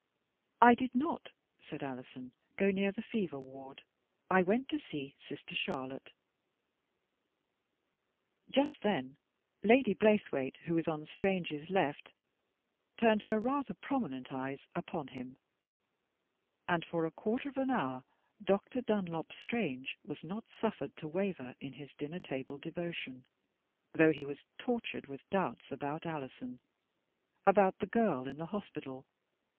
"I did not," said Alison, "go near the fever ward. I went to see — Sister Char lotte." Just then Lady Blaythewaite, who was on V" ','...>,. r k. (^ V :«''*'•' r %r>e^ 248 THE BTORY OF A MODERN WOMAN. Strangers left, turned her rather prominent eyes upon him, and for a quarter of an hour Dr. Dunlop Strange was not suffered to waver in his dinner table devotion, though he was tortured with doubts about Alison — about the girl in the hospital.